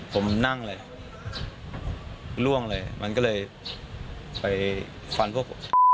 ผมนั่งเลยล่วงเลยมันก็เลยไปฟันพวกผม